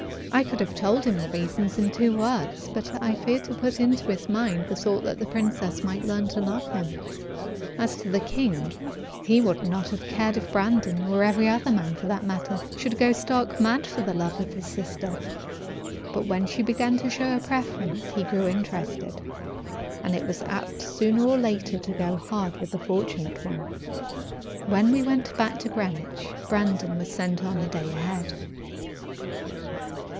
I could have told him the reason in two words, but I feared to put into his mind the thought that the princess might learn to love him. As to the king, he would not have cared if Brandon or every other man, for that matter, should go stark mad for love of his sister, but when she began to show a preference he grew interested, and it was apt sooner or later to go hard with the fortunate one. When we went back to Greenwich Brandon was sent on a day ahead.